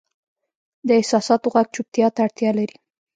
د احساساتو ږغ چوپتیا ته اړتیا لري.